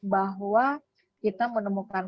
bahwa kita menemukan